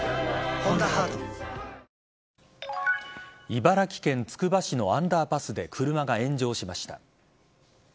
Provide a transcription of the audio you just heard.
茨城県つくば市のアンダーパスで車が炎上しました。